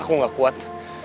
aku gak kuat